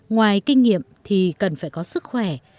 ngoài kinh nghiệm thì cần phải có sức khỏe